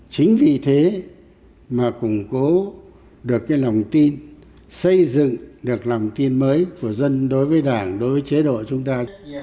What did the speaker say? chính vì thế mà củng cố được cái lòng tin xây dựng được lòng tin mới của dân đối với đảng đối với chế độ chúng ta